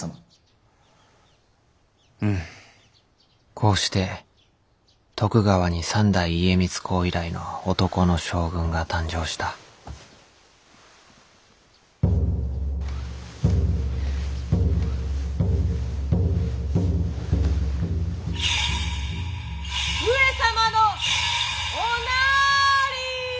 こうして徳川に三代家光公以来の男の将軍が誕生した上様のおなーりー。